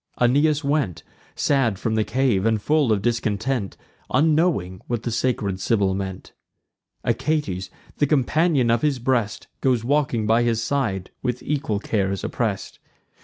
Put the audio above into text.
Aeneas went Sad from the cave, and full of discontent, Unknowing whom the sacred Sibyl meant. Achates, the companion of his breast, Goes grieving by his side, with equal cares oppress'd.